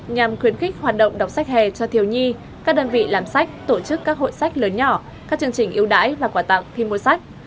nhằm khuyến khích hoạt động đọc sách hè cho thiếu nhi các đơn vị làm sách tổ chức các hội sách lớn nhỏ các chương trình yêu đái và quà tặng khi mua sách